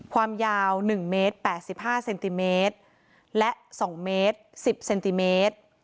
ความยาว๑เมตร๘๕เซนติเมตรและ๒เมตร๑๐เซนติเมตร